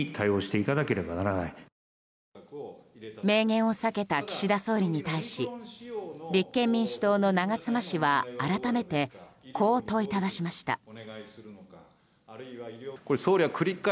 明言を避けた岸田総理に対し立憲民主党の長妻氏は改めてこう問いただしました。